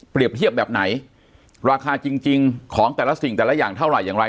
เทียบแบบไหนราคาจริงของแต่ละสิ่งแต่ละอย่างเท่าไหร่อย่างไร